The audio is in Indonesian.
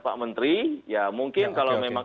pak menteri ya mungkin kalau memang